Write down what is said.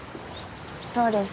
そうです。